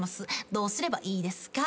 「どうすればいいですか？」